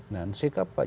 nansi kan pak jokowi